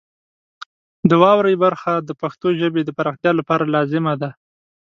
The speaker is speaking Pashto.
د واورئ برخه د پښتو ژبې د پراختیا لپاره لازمه ده.